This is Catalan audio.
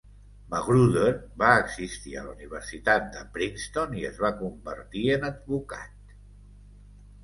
Magruder va assistir a la Universitat de Princeton i es va convertir en advocat.